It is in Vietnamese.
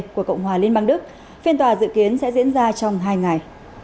của cộng hòa liên bang đức phiên tòa dự kiến sẽ diễn ra trong hai ngày